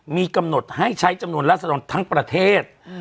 มีกำหนดให้ใช้จำนวนราศดรทั้งประเทศ